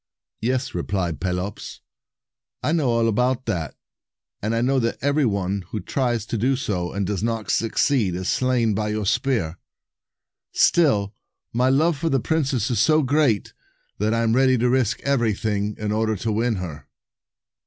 "Yes," replied Pelops, "I know all about that; and I know that every one who tries to do so, and does not succeed, is slain by your spear. Still, my love for the princess is so great, that I am ready to risk anything in order to win her."